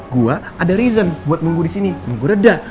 gua ada reason buat nunggu disini nunggu reda